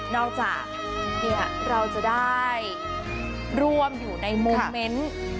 นอกจากเราจะได้ร่วมอยู่ในมุมเม้นท์